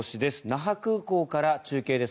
那覇空港から中継です。